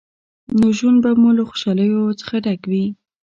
نو ژوند به مو له خوشحالیو څخه ډک وي.